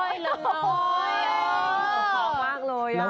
อย่าเอาอันรถ